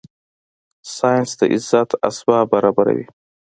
ساینس د عزت اسباب برابره وي